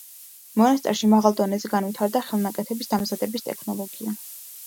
მონასტერში მაღალ დონეზე განვითარდა ხელნაკეთების დამზადების ტექნოლოგია.